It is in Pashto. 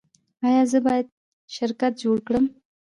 ایا زه باید شرکت جوړ کړم؟